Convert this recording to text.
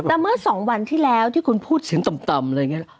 แต่เมื่อ๒วันที่แล้วที่คุณพูดเสียงต่ำอะไรอย่างนี้